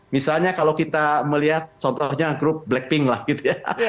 misalnya kalau kita melihat contohnya grup blackpink lah gitu ya